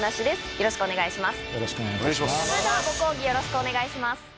よろしくお願いします。